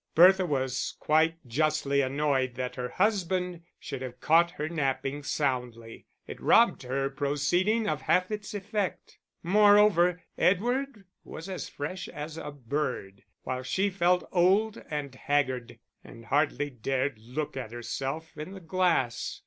Bertha was quite justly annoyed that her husband should have caught her napping soundly it robbed her proceeding of half its effect. Moreover, Edward was as fresh as a bird, while she felt old and haggard, and hardly dared look at herself in the glass.